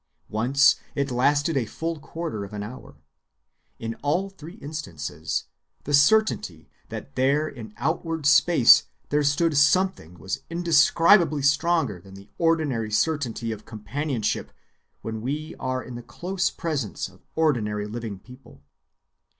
Once it lasted a full quarter of an hour. In all three instances the certainty that there in outward space there stood something was indescribably stronger than the ordinary certainty of companionship when we are in the close presence of ordinary living people.